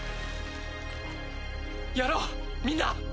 やろうみんな！